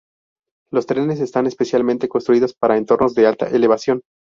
Los trenes están especialmente construidos para entornos de alta elevación.